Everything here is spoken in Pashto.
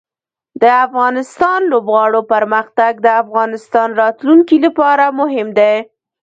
د افغان لوبغاړو پرمختګ د افغانستان راتلونکې لپاره مهم دی.